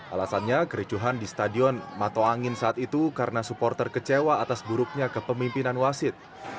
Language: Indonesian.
alasannya kericuhan di stadion mato angin saat itu karena supporter kecewa atas buruknya kepemimpinan wasit